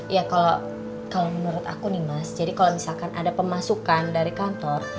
ya kalau menurut aku nih mas jadi kalau misalkan ada pemasukan dari kantor